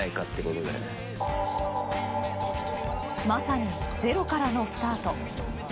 まさにゼロからのスタート。